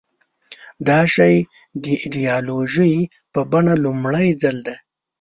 دا شی د ایدیالوژۍ په بڼه لومړي ځل ده.